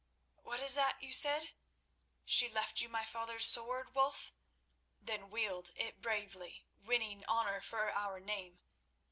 "What is that you said? She left you my father's sword, Wulf? Then wield it bravely, winning honour for our name.